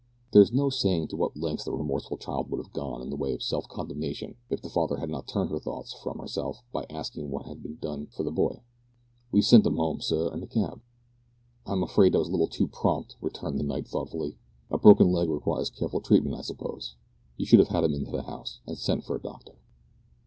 There is no saying to what lengths the remorseful child would have gone in the way of self condemnation if her father had not turned her thoughts from herself by asking what had been done for the boy. "We sent 'im 'ome, sir, in a cab." "I'm afraid that was a little too prompt," returned the knight thoughtfully. "A broken leg requires careful treatment, I suppose. You should have had him into the house, and sent for a doctor."